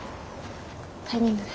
タイミングで。